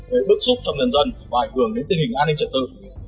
để bước xúc cho người dân và ảnh hưởng đến tình hình an ninh trật tự